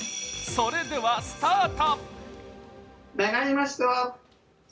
それではスタート！